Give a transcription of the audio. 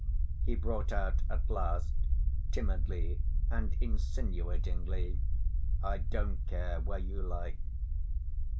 he brought out at last timidly, and insinuatingly. "I don't care ... where you like."